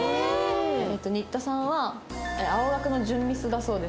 新田さんは青学の準ミスだそうです。